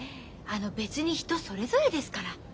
別に人それぞれですから。